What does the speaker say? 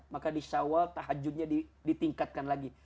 maka di syawal tahajudnya ditingkatkan lagi